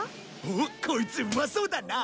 おっこいつうまそうだな。